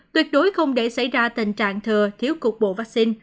tuyệt đối không để xảy ra tình trạng thừa thiếu cục bộ vaccine